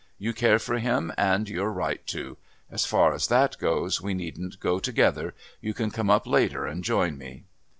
You care for him, and you're right to. As far as that goes, we needn't go together; you can come up later and join me."